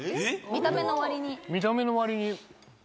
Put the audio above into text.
見た目の割に。